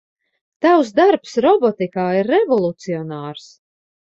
Tavs darbs robotikā ir revolucionārs.